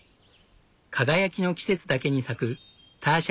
輝きの季節だけに咲くターシャ